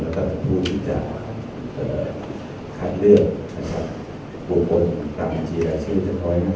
และก็พูดที่จะคัดเลือกบุคคลตามจิตราชื่อ๑๕๐คน